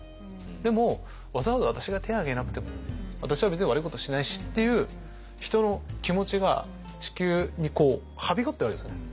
でもわざわざ私が手を挙げなくても私は別に悪いことしてないしっていう人の気持ちが地球にはびこってるわけですよね。